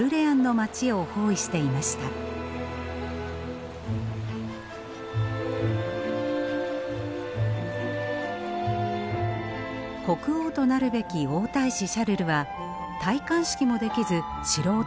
国王となるべき王太子シャルルは戴冠式もできず城を転々としていました。